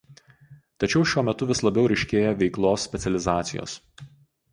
Tačiau šiuo metu vis labiau ryškėja veiklos specializacijos.